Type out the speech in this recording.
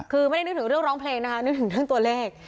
คือไม่ได้นึกถึงเรื่องร้องเพลงนะคะนึกถึงเรื่องตัวเลข